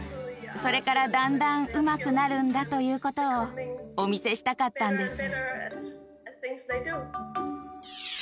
それから、だんだんうまくなるんだということをお見せしたかったんです。